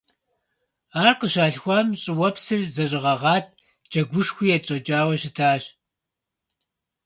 Ар къыщалъхуам, щӀыуэпсыр зэщӀэгъэгъат, джэгушхуи етщӀэкӀауэ щытащ.